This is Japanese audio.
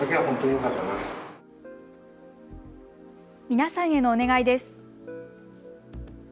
皆さんへのお願いです。